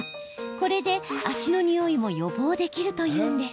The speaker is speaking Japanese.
これで足のにおいも予防できるというんです。